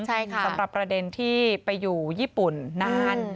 ใช่ค่ะสำหรับประเด็นที่ไปอยู่ญี่ปุ่นนาน